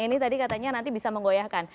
ini tadi katanya nanti bisa menggoyahkan